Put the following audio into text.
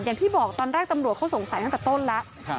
อย่างที่บอกตอนแรกตำรวจเขาสงสัยตั้งแต่ต้นแล้ว